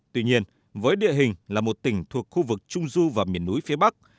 tuy nhiên với địa hình là một tỉnh thuộc khu vực trung du và miền núi phía bắc